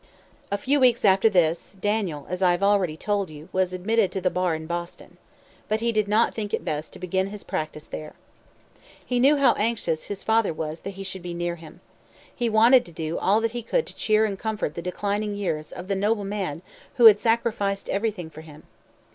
A few weeks after this, Daniel, as I have already told you, was admitted to the bar in Boston. But he did not think it best to begin his practice there. He knew how anxious his father was that he should be near him. He wanted to do all that he could to cheer and comfort the declining years of the noble man who had sacrificed everything for him.